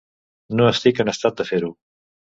No estic en estat de fer-ho.